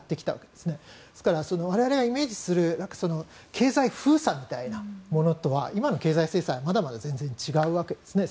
ですから、我々がイメージする経済封鎖みたいなものとは今の経済制裁はまだまだ全然違うわけですね。